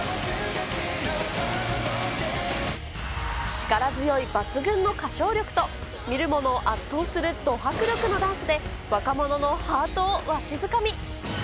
力強い抜群の歌唱力と、見る者を圧倒するド迫力のダンスで若者のハートをわしづかみ。